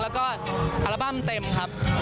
แล้วก็อัลบั้มเต็มครับ